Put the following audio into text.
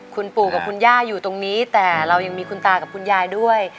คุณปู่กับคุณย่าอยู่ตรงนี้แต่เรายังมีคุณตากับคุณยายด้วย